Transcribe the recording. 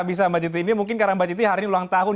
bisa mbak citi ini mungkin karena mbak citi hari ini ulang tahun